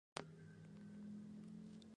Lo mismo ocurrió con la invasión de Gibraltar.